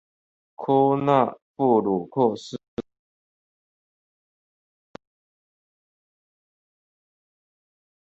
科纳布鲁克是加拿大纽芬兰岛西岸的一座城市。